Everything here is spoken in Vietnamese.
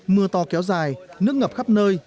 mưa to kéo dài nước ngập khắp nơi